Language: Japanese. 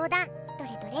どれどれ？